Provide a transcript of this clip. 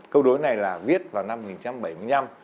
câu đối này là viết vào năm một nghìn chín trăm bảy mươi năm